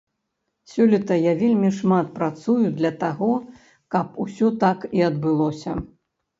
Сёлета я вельмі шмат працую для таго, каб усё так і адбылося.